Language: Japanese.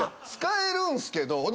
使えるんすけど。